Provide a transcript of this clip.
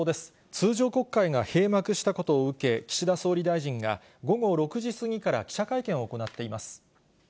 通常国会が閉幕したことを受け、岸田総理大臣が、午後６時過ぎから記者会見を行っています。